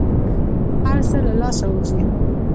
هر څه له لاسه ووزي.